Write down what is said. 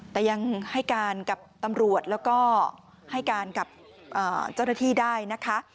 แต่ยังให้การกับตำรวจแล้วก็ให้การกับเจ้าหน้าที่ได้นะคะ